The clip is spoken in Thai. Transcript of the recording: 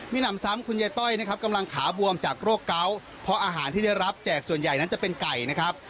มีหนำซ้ำคุณยายต้อยนะครับกำลังขาบวมจากโรคเกาะเพราะอาหารที่ได้รับแจกส่วนใหญ่นั้นจะเป็นไก่นะครับ